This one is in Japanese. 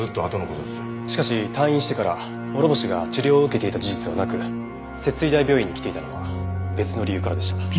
しかし退院してから諸星が治療を受けていた事実はなく摂津医大病院に来ていたのは別の理由からでした。